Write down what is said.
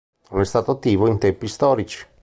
Non è stato attivo in tempi storici.